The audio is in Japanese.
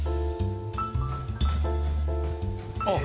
あっ。